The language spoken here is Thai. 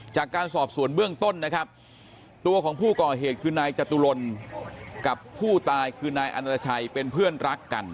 จากการสอบส่วนเบื้องต้นนะครับตัวของผู้ก่อเหตุคือนายจตุรนกับผู้ตายคือนายอันตชัยเป็นเพื่อนรักกัน